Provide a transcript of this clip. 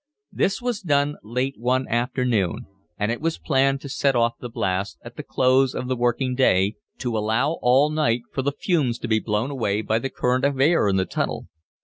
This was done late one afternoon, and it was planned to set off the blast at the close of the working day, to allow all night for the fumes to be blown away by the current of air in the tunnel.